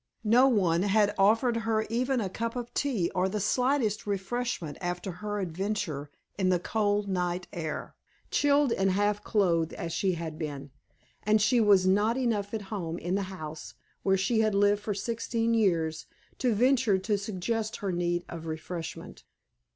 No one had offered her even a cup of tea or the slightest refreshment after her adventure in the cold night air, chilled and half clothed as she had been; and she was not enough at home in the house, where she had lived for sixteen years, to venture to suggest her need of refreshment.